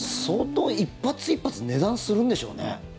相当、１発１発値段するんでしょうね。